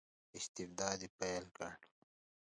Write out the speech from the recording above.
استبداد یې پیل کړ.